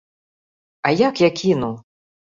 А як я кіну?